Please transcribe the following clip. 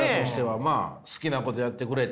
まあ好きなことやってくれて。